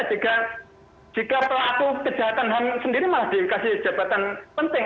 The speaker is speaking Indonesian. sehingga jika pelaku kejahatan ham sendiri malah dikasih jabatan penting